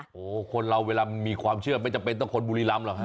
โอ้โหคนเราเวลามันมีความเชื่อไม่จำเป็นต้องคนบุรีรำหรอกฮ